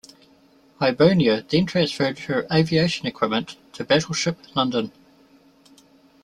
"Hibernia" then transferred her aviation equipment to battleship "London".